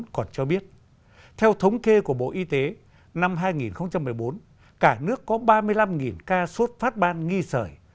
còn cho biết theo thống kê của bộ y tế năm hai nghìn một mươi bốn cả nước có ba mươi năm ca suốt phát ban nghi sởi